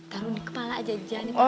taruh di kepala aja jangan dipake